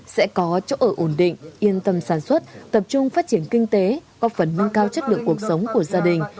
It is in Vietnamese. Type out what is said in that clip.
sẽ có chỗ ở ổn định yên tâm sản xuất tập trung phát triển kinh tế có phần nâng cao chất lượng cuộc sống của gia đình